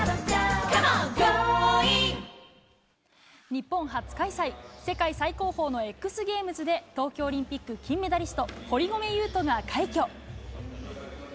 日本初開催、世界最高峰のエックスゲームズで、東京オリンピック金メダリスト、堀米雄斗が快挙。